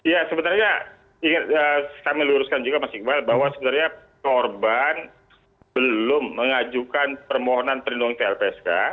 ya sebenarnya kami luruskan juga mas iqbal bahwa sebenarnya korban belum mengajukan permohonan perlindungan ke lpsk